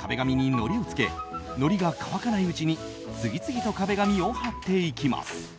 壁紙にのりをつけのりが乾かないうちに次々と壁紙を貼っていきます。